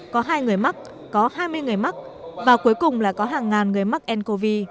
có hai người mắc có hai mươi người mắc và cuối cùng là có hàng ngàn người mắc ncov